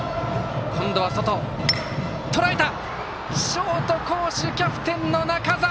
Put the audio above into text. ショート、好守キャプテンの中澤！